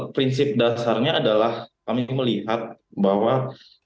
prinsip dasarnya adalah kami melihat bahwa ketika pak ismail